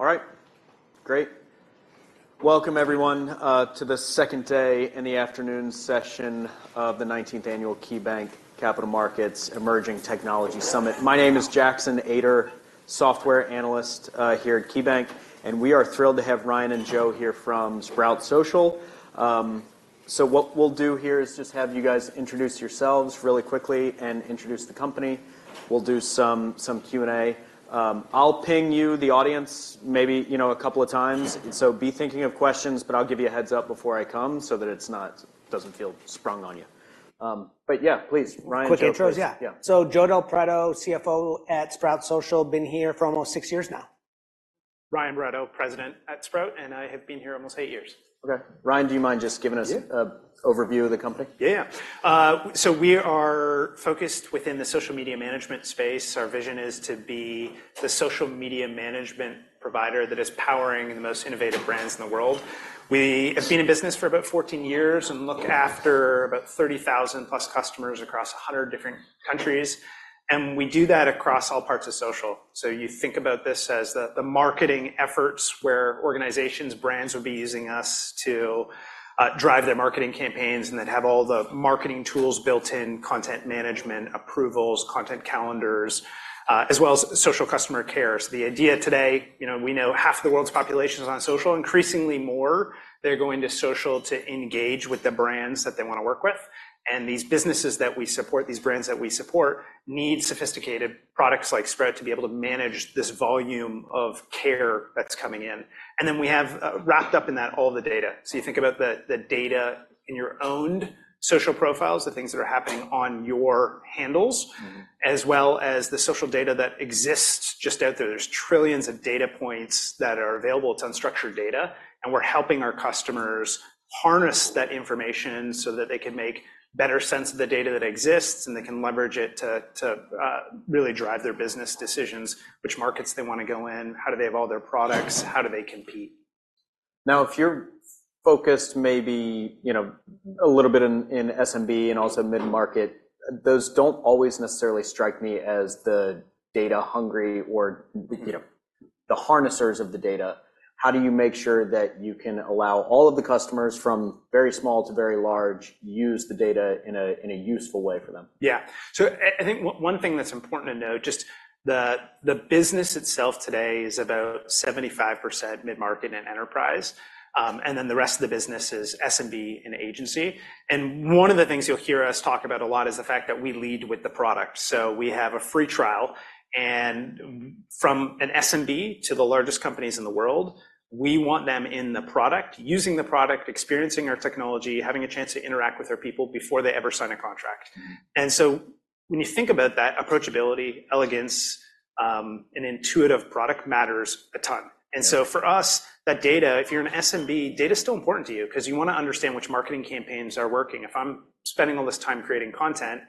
All right. Great. Welcome, everyone, to the second day in the afternoon session of the 19th Annual KeyBanc Capital Markets Emerging Technology Summit. My name is Jackson Ader, software analyst here at KeyBanc, and we are thrilled to have Ryan and Joe here from Sprout Social. So what we'll do here is just have you guys introduce yourselves really quickly and introduce the company. We'll do some Q&A. I'll ping you, the audience, maybe a couple of times, so be thinking of questions, but I'll give you a heads-up before I come so that it doesn't feel sprung on you. But yeah, please, Ryan and Joe. Quick intros, yeah. So Joe Del Preto, CFO at Sprout Social, been here for almost six years now. Ryan Barretto, president at Sprout, and I have been here almost eight years. Okay. Ryan, do you mind just giving us an overview of the company? Yeah, yeah. So we are focused within the social media management space. Our vision is to be the social media management provider that is powering the most innovative brands in the world. We have been in business for about 14 years and look after about 30,000+ customers across 100 different countries. And we do that across all parts of social. So you think about this as the marketing efforts where organizations, brands would be using us to drive their marketing campaigns and then have all the marketing tools built in: content management, approvals, content calendars, as well as social customer care. So the idea today, we know half the world's population is on social. Increasingly more, they're going to social to engage with the brands that they want to work with. These businesses that we support, these brands that we support, need sophisticated products like Sprout to be able to manage this volume of care that's coming in. Then we have wrapped up in that all the data. You think about the data in your owned social profiles, the things that are happening on your handles, as well as the social data that exists just out there. There's trillions of data points that are available. It's unstructured data. And we're helping our customers harness that information so that they can make better sense of the data that exists and they can leverage it to really drive their business decisions: which markets they want to go in, how do they have all their products, how do they compete. Now, if you're focused maybe a little bit in SMB and also mid-market, those don't always necessarily strike me as the data-hungry or the harnessers of the data. How do you make sure that you can allow all of the customers from very small to very large use the data in a useful way for them? Yeah. So I think one thing that's important to note, just the business itself today is about 75% mid-market and enterprise, and then the rest of the business is SMB and agency. And one of the things you'll hear us talk about a lot is the fact that we lead with the product. So we have a free trial. And from an SMB to the largest companies in the world, we want them in the product, using the product, experiencing our technology, having a chance to interact with our people before they ever sign a contract. And so when you think about that, approachability, elegance, and intuitive product matters a ton. And so for us, that data, if you're an SMB, data's still important to you because you want to understand which marketing campaigns are working. If I'm spending all this time creating content,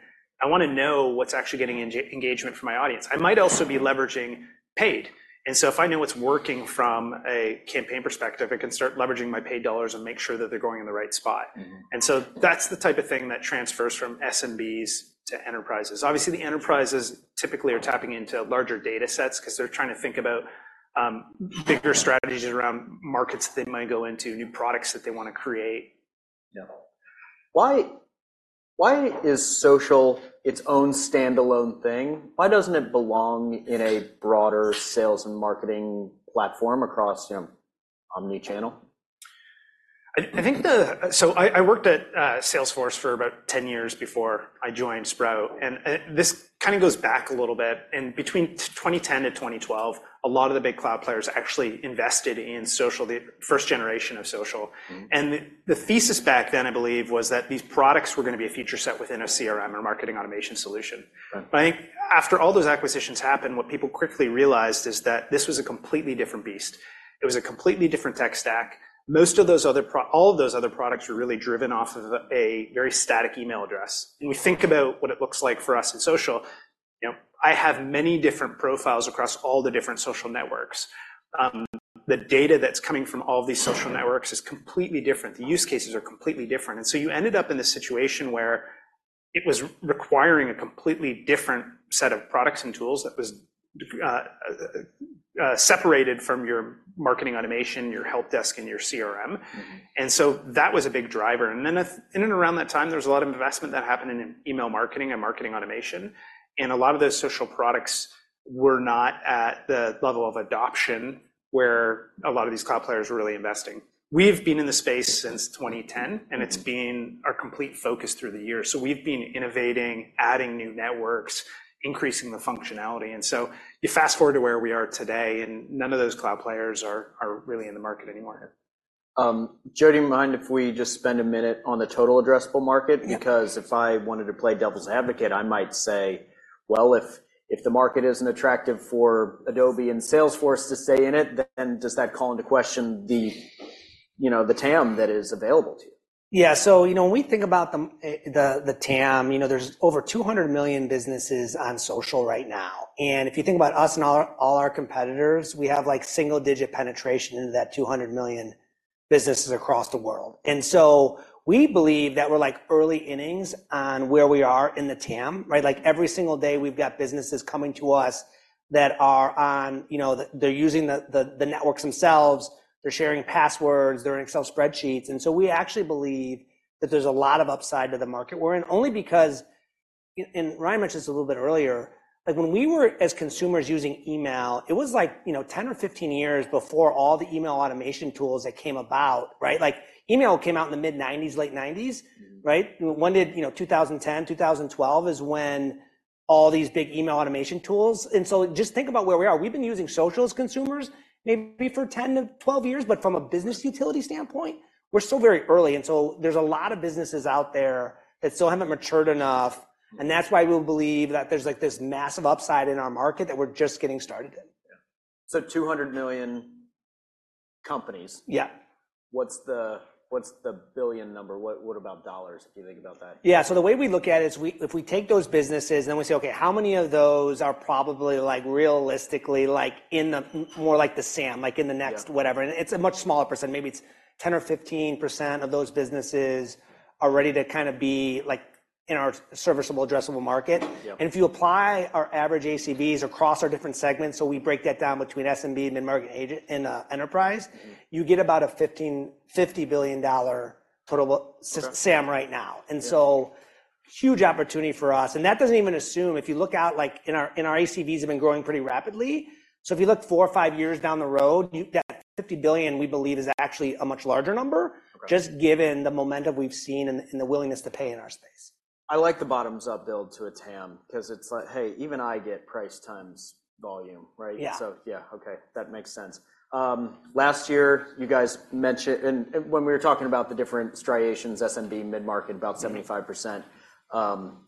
I want to know what's actually getting engagement from my audience. I might also be leveraging paid. And so if I know what's working from a campaign perspective, I can start leveraging my paid dollars and make sure that they're going in the right spot. And so that's the type of thing that transfers from SMBs to enterprises. Obviously, the enterprises typically are tapping into larger data sets because they're trying to think about bigger strategies around markets that they might go into, new products that they want to create. Yeah. Why is social its own standalone thing? Why doesn't it belong in a broader sales and marketing platform across omnichannel? So I worked at Salesforce for about 10 years before I joined Sprout. And this kind of goes back a little bit. And between 2010 and 2012, a lot of the big cloud players actually invested in social, the first generation of social. And the thesis back then, I believe, was that these products were going to be a feature set within a CRM or marketing automation solution. But I think after all those acquisitions happened, what people quickly realized is that this was a completely different beast. It was a completely different tech stack. Most of those other—all of those other—products were really driven off of a very static email address. And we think about what it looks like for us in social. I have many different profiles across all the different social networks. The data that's coming from all of these social networks is completely different. The use cases are completely different. And so you ended up in this situation where it was requiring a completely different set of products and tools that was separated from your marketing automation, your help desk, and your CRM. And so that was a big driver. And then in and around that time, there was a lot of investment that happened in email marketing and marketing automation. And a lot of those social products were not at the level of adoption where a lot of these cloud players were really investing. We've been in the space since 2010, and it's been our complete focus through the years. So we've been innovating, adding new networks, increasing the functionality. And so you fast-forward to where we are today, and none of those cloud players are really in the market anymore here. Joe, do you mind if we just spend a minute on the total addressable market? Because if I wanted to play devil's advocate, I might say, "Well, if the market isn't attractive for Adobe and Salesforce to stay in it, then does that call into question the TAM that is available to you? Yeah. So when we think about the TAM, there's over 200 million businesses on social right now. And if you think about us and all our competitors, we have single-digit penetration into that 200 million businesses across the world. And so we believe that we're early innings on where we are in the TAM, right? Every single day, we've got businesses coming to us that are on, they're using the networks themselves. They're sharing passwords. They're in Excel spreadsheets. And so we actually believe that there's a lot of upside to the market we're in, only because, and Ryan mentioned this a little bit earlier. When we were as consumers using email, it was like 10 or 15 years before all the email automation tools that came about, right? Email came out in the mid-1990s, late 1990s, right? 2010, 2012 is when all these big email automation tools and so just think about where we are. We've been using social as consumers maybe for 10-12 years, but from a business utility standpoint, we're still very early. And so there's a lot of businesses out there that still haven't matured enough. And that's why we believe that there's this massive upside in our market that we're just getting started in. Yeah. So 200 million companies. What's the billion number? What about dollars, if you think about that? Yeah. So the way we look at it is if we take those businesses and then we say, "Okay, how many of those are probably realistically in the more like the SAM, in the next whatever?" And it's a much smaller percent. Maybe it's 10% or 15% of those businesses are ready to kind of be in our serviceable, addressable market. And if you apply our average ACVs across our different segments - so we break that down between SMB, mid-market, and enterprise - you get about a $50 billion total SAM right now. And so huge opportunity for us. And that doesn't even assume if you look out in our ACVs have been growing pretty rapidly. If you look four or five years down the road, that $50 billion, we believe, is actually a much larger number just given the momentum we've seen and the willingness to pay in our space. I like the bottoms-up build to a TAM because it's like, "Hey, even I get price times volume," right? So yeah, okay, that makes sense. Last year, you guys mentioned and when we were talking about the different striations, SMB, mid-market, about 75%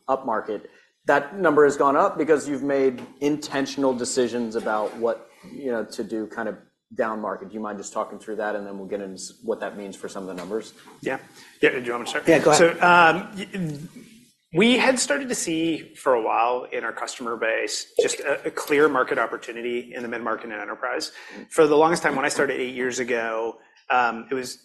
upmarket, that number has gone up because you've made intentional decisions about what to do kind of downmarket. Do you mind just talking through that, and then we'll get into what that means for some of the numbers? Yeah. Yeah. Do you want me to start? Yeah, go ahead. So we had started to see for a while in our customer base just a clear market opportunity in the mid-market and enterprise. For the longest time, when I started eight years ago, it was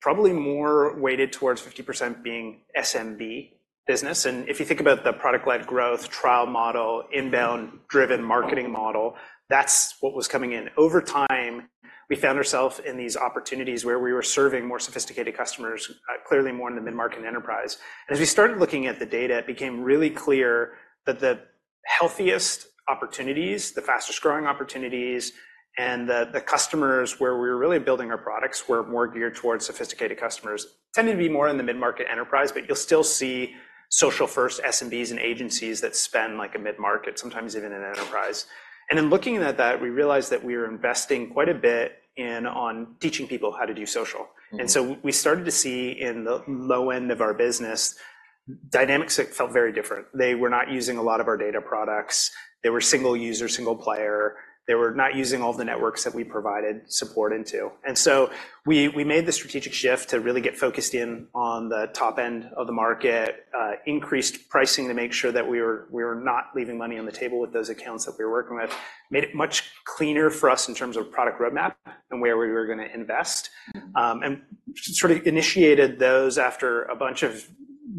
probably more weighted towards 50% being SMB business. And if you think about the product-led growth, trial model, inbound-driven marketing model, that's what was coming in. Over time, we found ourselves in these opportunities where we were serving more sophisticated customers, clearly more in the mid-market and enterprise. And as we started looking at the data, it became really clear that the healthiest opportunities, the fastest-growing opportunities, and the customers where we were really building our products were more geared towards sophisticated customers tended to be more in the mid-market, enterprise. But you'll still see social-first SMBs and agencies that spend a mid-market, sometimes even an enterprise. Then looking at that, we realized that we were investing quite a bit in teaching people how to do social. So we started to see in the low end of our business, dynamics felt very different. They were not using a lot of our data products. They were single user, single player. They were not using all of the networks that we provided support into. So we made the strategic shift to really get focused in on the top end of the market, increased pricing to make sure that we were not leaving money on the table with those accounts that we were working with, made it much cleaner for us in terms of product roadmap and where we were going to invest, and sort of initiated those after a bunch of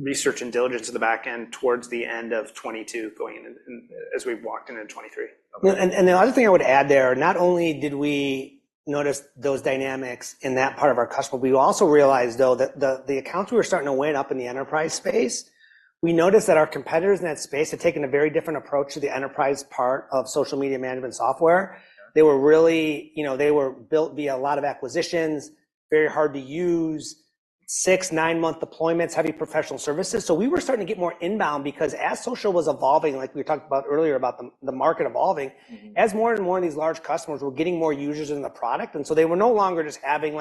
research and diligence in the backend towards the end of 2022 going in as we walked into 2023. Yeah. And the other thing I would add there, not only did we notice those dynamics in that part of our customer, we also realized, though, that the accounts we were starting to win up in the enterprise space, we noticed that our competitors in that space had taken a very different approach to the enterprise part of social media management software. They were really built via a lot of acquisitions, very hard to use, 6-9-month deployments, heavy professional services. So we were starting to get more inbound because as social was evolving like we talked about earlier about the market evolving, as more and more of these large customers were getting more users in the product, and so they were no longer just having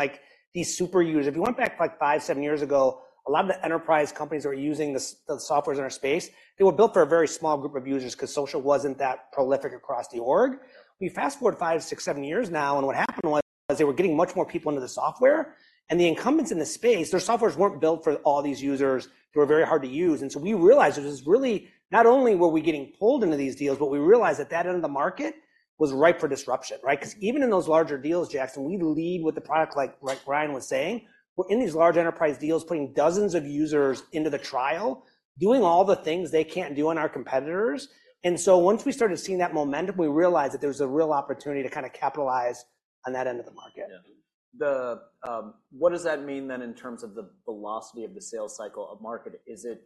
these super users. If you went back like five, seven years ago, a lot of the enterprise companies that were using the softwares in our space, they were built for a very small group of users because social wasn't that prolific across the org. We fast-forward five, six, seven years now, and what happened was they were getting much more people into the software. The incumbents in the space, their softwares weren't built for all these users. They were very hard to use. So we realized it was really not only were we getting pulled into these deals, but we realized that that end of the market was ripe for disruption, right? Because even in those larger deals, Jackson, we lead with the product, like Ryan was saying. We're in these large enterprise deals putting dozens of users into the trial, doing all the things they can't do on our competitors. Once we started seeing that momentum, we realized that there was a real opportunity to kind of capitalize on that end of the market. Yeah. What does that mean then in terms of the velocity of the sales cycle of market? Is it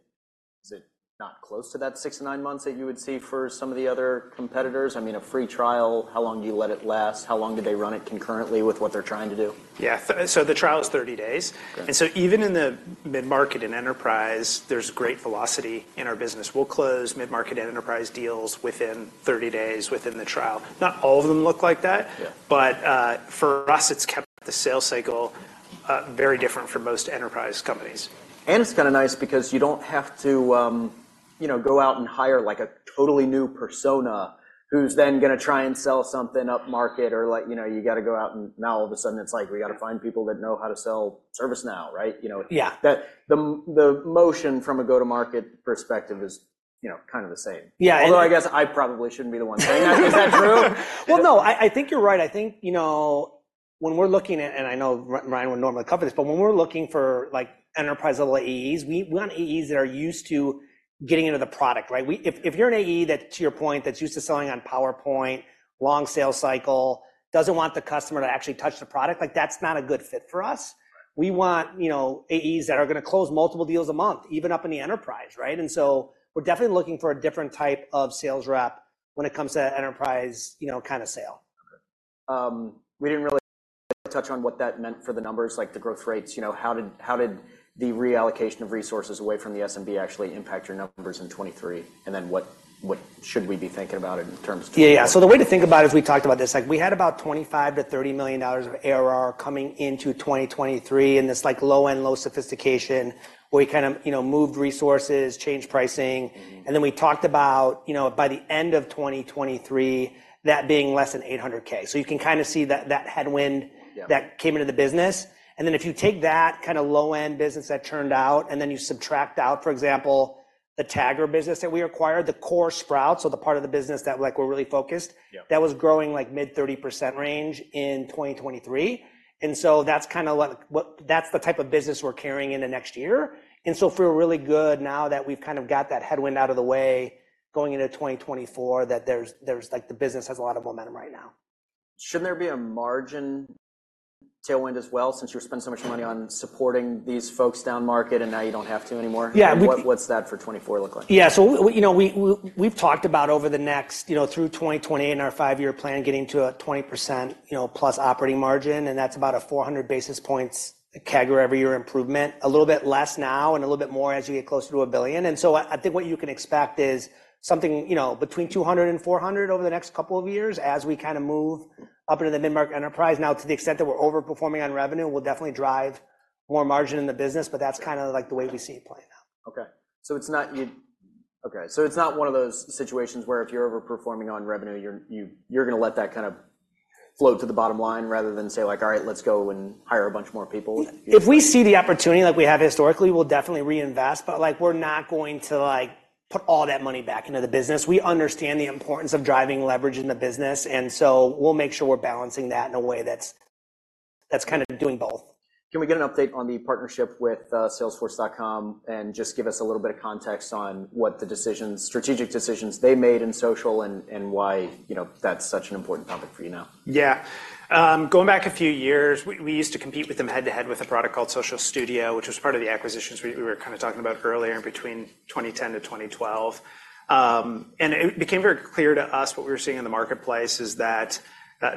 not close to that six to nine months that you would see for some of the other competitors? I mean, a free trial, how long do you let it last? How long do they run it concurrently with what they're trying to do? Yeah. So the trial is 30 days. And so even in the mid-market and enterprise, there's great velocity in our business. We'll close mid-market and enterprise deals within 30 days within the trial. Not all of them look like that, but for us, it's kept the sales cycle very different from most enterprise companies. It's kind of nice because you don't have to go out and hire a totally new persona who's then going to try and sell something upmarket, or you got to go out and now all of a sudden, it's like, "We got to find people that know how to sell ServiceNow," right? The motion from a go-to-market perspective is kind of the same. Although I guess I probably shouldn't be the one saying that. Is that true? Well, no, I think you're right. I think when we're looking at and I know Ryan would normally cover this, but when we're looking for enterprise-level AEs, we want AEs that are used to getting into the product, right? If you're an AE that, to your point, that's used to selling on PowerPoint, long sales cycle, doesn't want the customer to actually touch the product, that's not a good fit for us. We want AEs that are going to close multiple deals a month, even up in the enterprise, right? And so we're definitely looking for a different type of sales rep when it comes to enterprise kind of sale. Okay. We didn't really touch on what that meant for the numbers, like the growth rates. How did the reallocation of resources away from the SMB actually impact your numbers in 2023? And then what should we be thinking about it in terms of? Yeah, yeah. So the way to think about it is we talked about this. We had about $25-$30 million of ARR coming into 2023 in this low-end, low sophistication where we kind of moved resources, changed pricing. And then we talked about, by the end of 2023, that being less than $800K. So you can kind of see that headwind that came into the business. And then if you take that kind of low-end business that turned out and then you subtract out, for example, the Tagger business that we acquired, the core Sprout, so the part of the business that we're really focused, that was growing mid-30% range in 2023. And so that's kind of what that's the type of business we're carrying into next year. And so if we're really good now that we've kind of got that headwind out of the way going into 2024, that the business has a lot of momentum right now. Shouldn't there be a margin tailwind as well since you were spending so much money on supporting these folks downmarket and now you don't have to anymore? What's that for 2024 look like? Yeah. So we've talked about over the next through 2028 in our five-year plan getting to a 20%-plus operating margin, and that's about a 400 basis points CAGR every year improvement, a little bit less now and a little bit more as you get closer to $1 billion. And so I think what you can expect is something between 200 and 400 over the next couple of years as we kind of move up into the mid-market enterprise. Now, to the extent that we're overperforming on revenue, we'll definitely drive more margin in the business, but that's kind of the way we see it playing out. Okay. So it's not okay. So it's not one of those situations where if you're overperforming on revenue, you're going to let that kind of float to the bottom line rather than say, "All right, let's go and hire a bunch more people. If we see the opportunity like we have historically, we'll definitely reinvest, but we're not going to put all that money back into the business. We understand the importance of driving leverage in the business, and so we'll make sure we're balancing that in a way that's kind of doing both. Can we get an update on the partnership with Salesforce and just give us a little bit of context on what the strategic decisions they made in social and why that's such an important topic for you now? Yeah. Going back a few years, we used to compete with them head-to-head with a product called Social Studio, which was part of the acquisitions we were kind of talking about earlier in between 2010-2012. It became very clear to us what we were seeing in the marketplace is that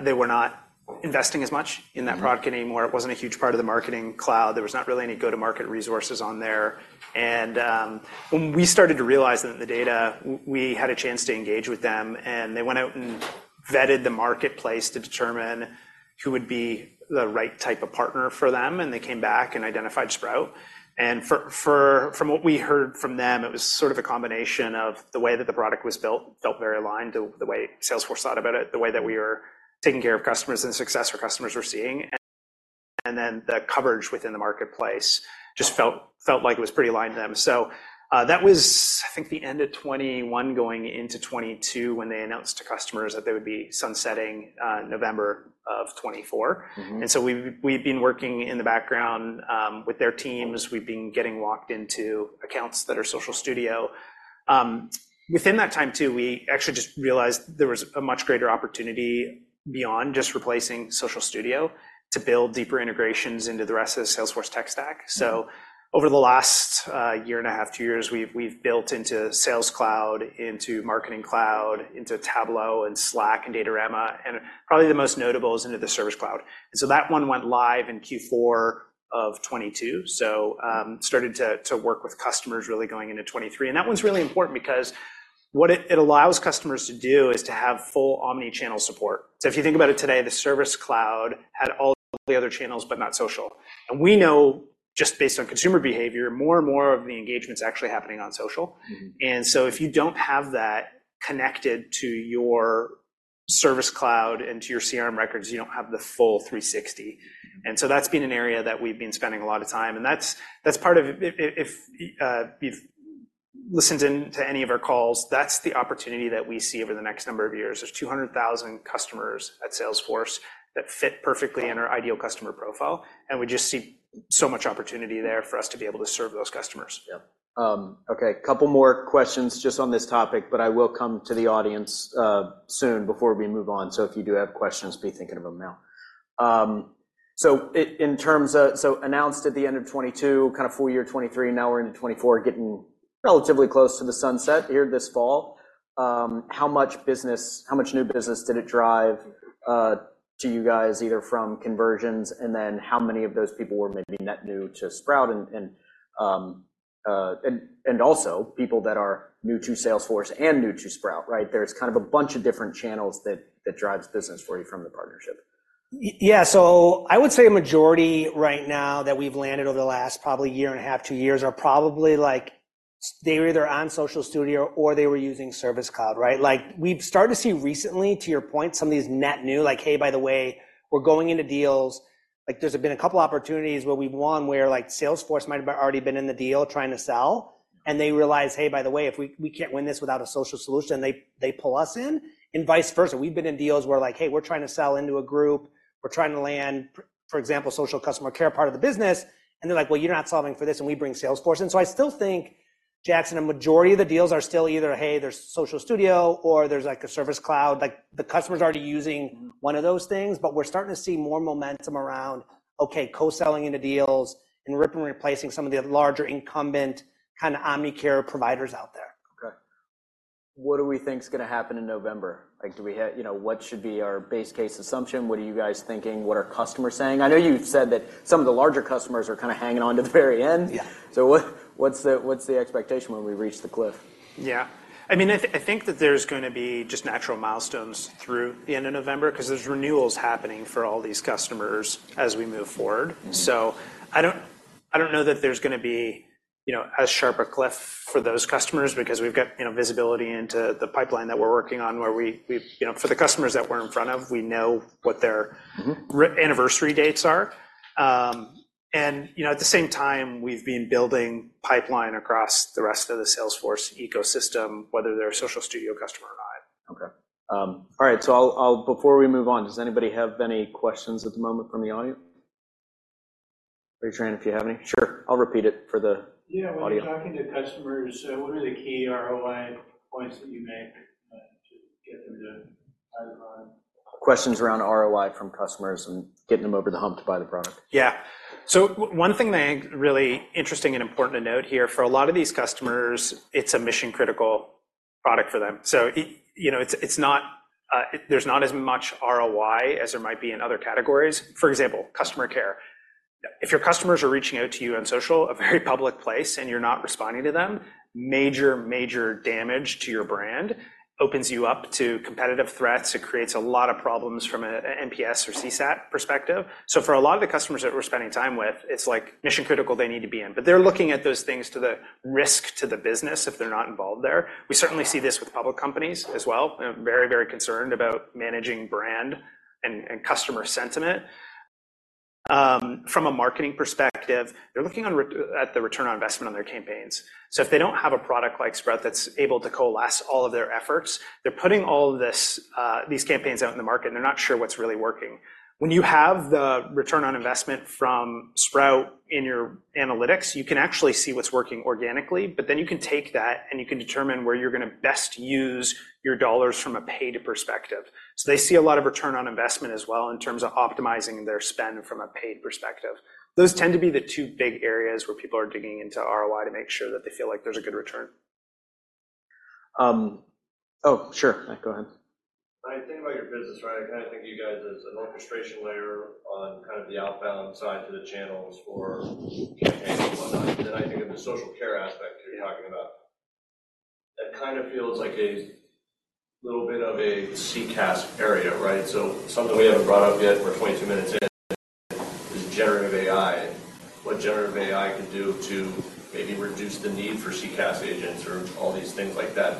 they were not investing as much in that product anymore. It wasn't a huge part of the Marketing Cloud. There was not really any go-to-market resources on there. When we started to realize that in the data, we had a chance to engage with them, and they went out and vetted the marketplace to determine who would be the right type of partner for them. They came back and identified Sprout. From what we heard from them, it was sort of a combination of the way that the product was built, felt very aligned to the way Salesforce thought about it, the way that we were taking care of customers and the success our customers were seeing. Then the coverage within the marketplace just felt like it was pretty aligned to them. That was, I think, the end of 2021 going into 2022 when they announced to customers that they would be sunsetting November of 2024. We've been working in the background with their teams. We've been getting locked into accounts that are Social Studio. Within that time too, we actually just realized there was a much greater opportunity beyond just replacing Social Studio to build deeper integrations into the rest of the Salesforce tech stack. So over the last year and a half, two years, we've built into Sales Cloud, into Marketing Cloud, into Tableau and Slack and Datorama, and probably the most notable is into the Service Cloud. And so that one went live in Q4 of 2022, so started to work with customers really going into 2023. And that one's really important because what it allows customers to do is to have full omnichannel support. So if you think about it today, the Service Cloud had all the other channels but not social. And we know, just based on consumer behavior, more and more of the engagement's actually happening on social. And so if you don't have that connected to your Service Cloud and to your CRM records, you don't have the full 360. And so that's been an area that we've been spending a lot of time. That's part of if you've listened in to any of our calls, that's the opportunity that we see over the next number of years. There's 200,000 customers at Salesforce that fit perfectly in our ideal customer profile, and we just see so much opportunity there for us to be able to serve those customers. Yeah. Okay. Couple more questions just on this topic, but I will come to the audience soon before we move on. So if you do have questions, be thinking of them now. So announced at the end of 2022, kind of full year 2023, now we're into 2024, getting relatively close to the sunset here this fall. How much new business did it drive to you guys either from conversions, and then how many of those people were maybe net new to Sprout and also people that are new to Salesforce and new to Sprout, right? There's kind of a bunch of different channels that drives business for you from the partnership. Yeah. So I would say a majority right now that we've landed over the last probably year and a half, two years are probably they were either on Social Studio or they were using Service Cloud, right? We've started to see recently, to your point, some of these net new like, "Hey, by the way, we're going into deals." There's been a couple of opportunities where we've won where Salesforce might have already been in the deal trying to sell, and they realized, "Hey, by the way, if we can't win this without a social solution," and they pull us in, and vice versa. We've been in deals where like, "Hey, we're trying to sell into a group. We're trying to land, for example, social customer care part of the business. And they're like, "Well, you're not solving for this, and we bring Salesforce." And so I still think, Jackson, a majority of the deals are still either, "Hey, there's Social Studio," or there's a Service Cloud. The customer's already using one of those things, but we're starting to see more momentum around, okay, co-selling into deals and ripping and replacing some of the larger incumbent kind of omnichannel providers out there. Okay. What do we think's going to happen in November? Do we have what should be our base case assumption? What are you guys thinking? What are customers saying? I know you've said that some of the larger customers are kind of hanging on to the very end. So what's the expectation when we reach the cliff? Yeah. I mean, I think that there's going to be just natural milestones through the end of November because there's renewals happening for all these customers as we move forward. So I don't know that there's going to be as sharp a cliff for those customers because we've got visibility into the pipeline that we're working on where we for the customers that we're in front of, we know what their anniversary dates are. And at the same time, we've been building pipeline across the rest of the Salesforce ecosystem, whether they're a Social Studio customer or not. Okay. All right. Before we move on, does anybody have any questions at the moment from the audience? Are you trying to? If you have any? Sure. I'll repeat it for the audio. Yeah. When you're talking to customers, what are the key ROI points that you make to get them to buy the product? Questions around ROI from customers and getting them over the hump to buy the product. Yeah. So one thing that I think's really interesting and important to note here, for a lot of these customers, it's a mission-critical product for them. So there's not as much ROI as there might be in other categories. For example, customer care. If your customers are reaching out to you on social, a very public place, and you're not responding to them, major, major damage to your brand opens you up to competitive threats. It creates a lot of problems from an NPS or CSAT perspective. So for a lot of the customers that we're spending time with, it's mission-critical they need to be in. But they're looking at those things to the risk to the business if they're not involved there. We certainly see this with public companies as well, very, very concerned about managing brand and customer sentiment. From a marketing perspective, they're looking at the return on investment on their campaigns. So if they don't have a product like Sprout that's able to coalesce all of their efforts, they're putting all of these campaigns out in the market, and they're not sure what's really working. When you have the return on investment from Sprout in your analytics, you can actually see what's working organically, but then you can take that, and you can determine where you're going to best use your dollars from a paid perspective. So they see a lot of return on investment as well in terms of optimizing their spend from a paid perspective. Those tend to be the two big areas where people are digging into ROI to make sure that they feel like there's a good return. Oh, sure. Go ahead. When I think about your business, right, I kind of think of you guys as an orchestration layer on kind of the outbound side to the channels for campaigns and whatnot. Then I think of the social care aspect you're talking about. That kind of feels like a little bit of a CCaaS area, right? So something we haven't brought up yet. We're 22 minutes in. Is generative AI, what generative AI could do to maybe reduce the need for CCaaS agents or all these things like that,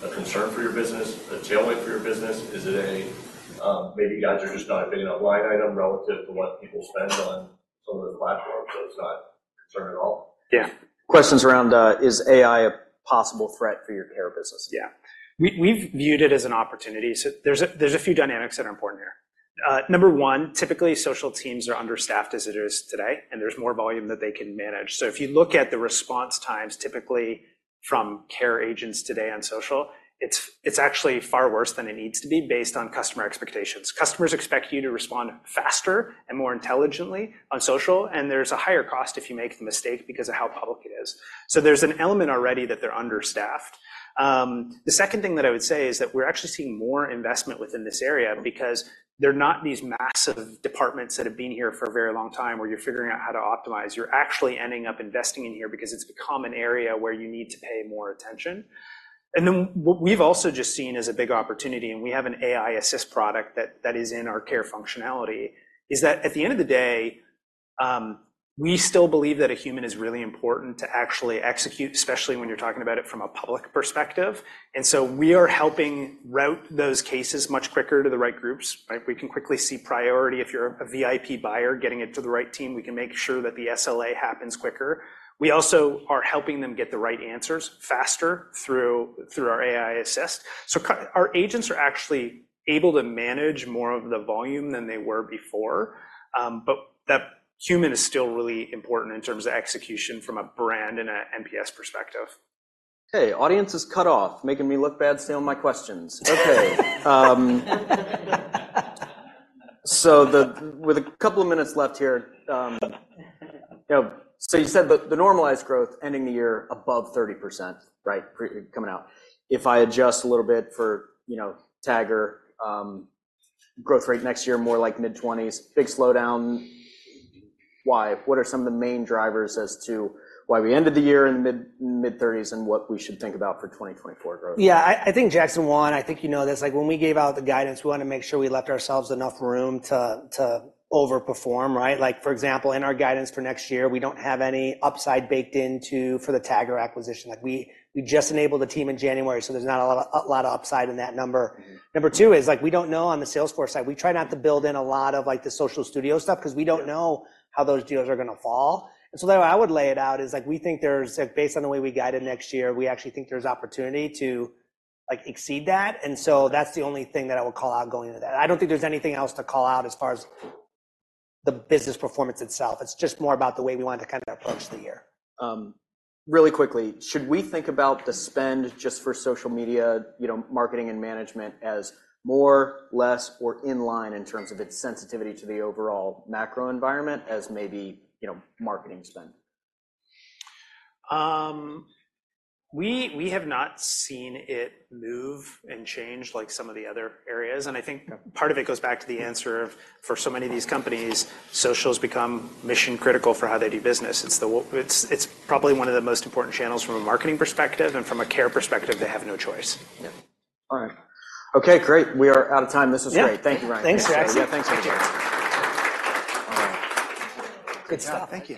a concern for your business, a tailwind for your business? Is it a maybe you guys are just not a big enough line item relative to what people spend on some of those platforms, so it's not a concern at all? Yeah. Questions around, is AI a possible threat for your care business? Yeah. We've viewed it as an opportunity. So there's a few dynamics that are important here. Number one, typically, social teams are understaffed as it is today, and there's more volume that they can manage. So if you look at the response times, typically, from care agents today on social, it's actually far worse than it needs to be based on customer expectations. Customers expect you to respond faster and more intelligently on social, and there's a higher cost if you make the mistake because of how public it is. So there's an element already that they're understaffed. The second thing that I would say is that we're actually seeing more investment within this area because they're not these massive departments that have been here for a very long time where you're figuring out how to optimize. You're actually ending up investing in here because it's become an area where you need to pay more attention. And then what we've also just seen as a big opportunity, and we have an AI Assist product that is in our care functionality, is that at the end of the day, we still believe that a human is really important to actually execute, especially when you're talking about it from a public perspective. And so we are helping route those cases much quicker to the right groups, right? We can quickly see priority if you're a VIP buyer getting it to the right team. We can make sure that the SLA happens quicker. We also are helping them get the right answers faster through our AI Assist. Our agents are actually able to manage more of the volume than they were before, but that human is still really important in terms of execution from a brand and an NPS perspective. So with a couple of minutes left here, so you said the normalized growth ending the year above 30%, right, coming out. If I adjust a little bit for Tagger, growth rate next year more like mid-20s%, big slowdown, why? What are some of the main drivers as to why we ended the year in the mid-30s% and what we should think about for 2024 growth? Yeah. I think, Jackson, one, I think you know this. When we gave out the guidance, we wanted to make sure we left ourselves enough room to overperform, right? For example, in our guidance for next year, we don't have any upside baked into for the Tagger acquisition. We just enabled a team in January, so there's not a lot of upside in that number. Number two is we don't know on the Salesforce side. We try not to build in a lot of the Social Studio stuff because we don't know how those deals are going to fall. And so the way I would lay it out is we think there's based on the way we guide it next year, we actually think there's opportunity to exceed that. And so that's the only thing that I would call out going into that. I don't think there's anything else to call out as far as the business performance itself. It's just more about the way we wanted to kind of approach the year. Really quickly, should we think about the spend just for social media marketing and management as more, less, or in line in terms of its sensitivity to the overall macro environment as maybe marketing spend? We have not seen it move and change like some of the other areas. I think part of it goes back to the answer of for so many of these companies, social's become mission-critical for how they do business. It's probably one of the most important channels from a marketing perspective. From a care perspective, they have no choice. Yeah. All right. Okay. Great. We are out of time. This was great. Thank you, Ryan. Yeah. Thanks, Jackson. Yeah. Thanks, everybody. All right. Good stuff. Thank you.